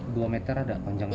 dua meter ada panjangnya